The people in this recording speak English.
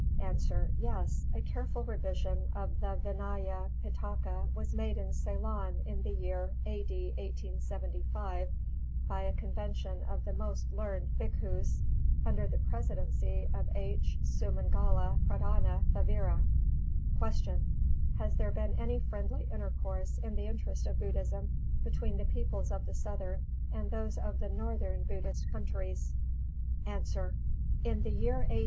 _ A. Yes. A careful revision of the Vināya Pitaka was made in Ceylon in the year A.D. 1875, by a convention of the most learned Bhikkhus, under the presidency of H. Sumangala, Pradhāna Sthavīra. 320. Q. _Has there been any friendly intercourse in the interest of Buddhism between the peoples of the Southern and those of the Northern Buddhist countries?_ A. In the year A.